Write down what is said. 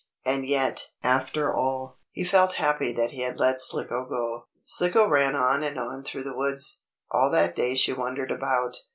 And yet, after all, he felt happy that he had let Slicko go. Slicko ran on and on through the woods. All that day she wandered about.